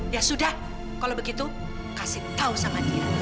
ya sudah kalau begitu kasih tahu sama dia